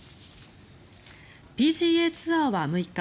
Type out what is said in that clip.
ＰＧＡツアーは６日